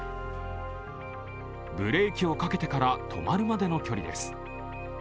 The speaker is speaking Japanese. ブレーキをかけてから止まるまでの距離です。